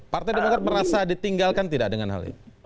partai demokrat merasa ditinggalkan tidak dengan hal ini